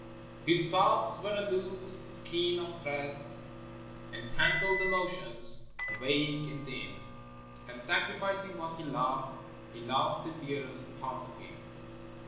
His thoughts were a loose skein of threads, And tangled emotions, vague and dim; And sacrificing what he loved He lost the dearest part of him.